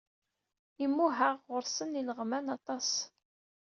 Imuhaɣ ɣur-sen ileɣman aṭas.